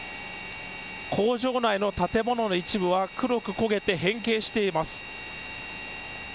工場内の建物の一部は黒く焦げて変形しています。